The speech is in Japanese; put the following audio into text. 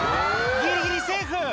ギリギリセーフ！